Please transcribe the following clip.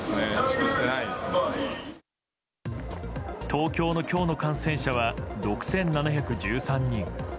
東京の今日の感染者は６７１３人。